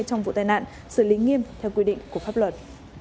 trong vụ tai nạn xử lý nghiêm theo quy định của pháp luật